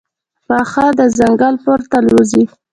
باښه د ځنګل پورته الوزي.